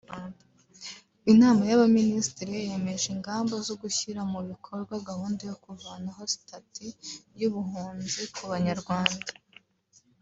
Inama y’Abaminisitiri yemeje ingamba zo gushyira mu bikorwa gahunda yo kuvanaho sitati y’ubuhunzi ku Banyarwanda